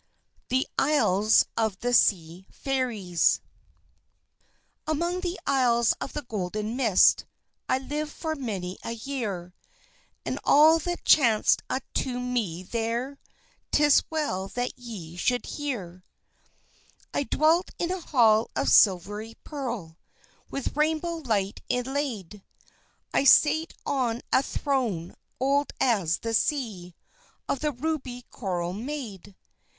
THE ISLES OF THE SEA FAIRIES Among the Isles of the Golden Mist, I lived for many a year; And all that chanced unto me there 'Tis well that ye should hear. I dwelt in a hall of silvery pearl, With rainbow light inlaid; I sate on a throne, old as the sea, Of the ruby coral made.